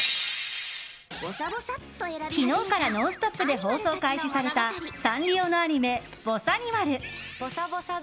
昨日から「ノンストップ！」で放送開始されたサンリオのアニメ「ぼさにまる」。